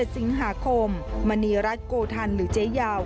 สิงหาคมมณีรัฐโกธันหรือเจ๊ยาว